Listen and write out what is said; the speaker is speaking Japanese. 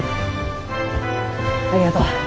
ありがとう。